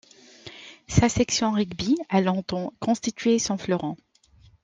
Sa section rugby a longtemps constitué son fleuron.